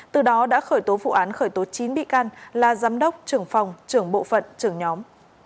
từ đó đã khởi tố vụ án khởi tố chín bị can là giám đốc trưởng phòng trưởng bộ phận trưởng nhóm